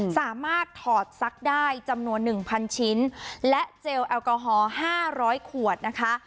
ถอดซักได้จำนวน๑๐๐ชิ้นและเจลแอลกอฮอล๕๐๐ขวดนะคะ